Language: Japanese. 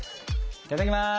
いただきます！